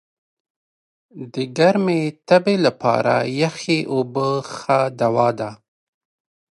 د ګرمي تبي لپاره یخي اوبه ښه دوا ده.